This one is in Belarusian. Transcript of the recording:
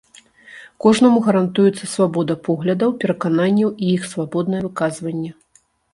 Кожнаму гарантуецца свабода поглядаў, перакананняў і іх свабоднае выказванне.